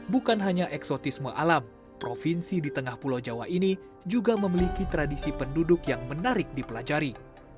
bukan hanya eksotisme alam provinsi di tengah pulau jawa ini juga memiliki tradisi penduduk yang menarik dipelajari